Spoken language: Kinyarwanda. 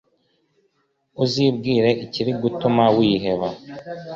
uzibwire ikiri gutuma wiheba